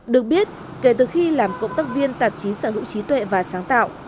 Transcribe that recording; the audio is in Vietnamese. được biết kể từ khi làm cộng tác viên tạp chí sở hữu trí tuệ và sáng tạo